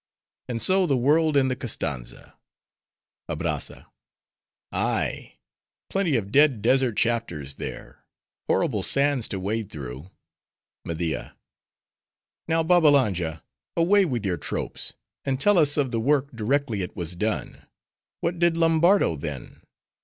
And so, the world in the Koztanza. ABRAZZA—Ay, plenty of dead desert chapters there; horrible sands to wade through. MEDIA—Now, Babbalanja, away with your tropes; and tell us of the work, directly it was done. What did Lombardo then?